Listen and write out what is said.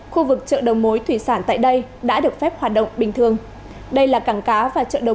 khu vực chợ đầu mối thủy sản tại đây đã được phép hoạt động bình thường đây là cảng cá và chợ đầu